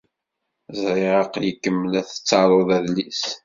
Ẓriɣ aql-ikem la tettaruḍ adlis.